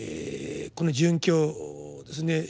この殉教ですね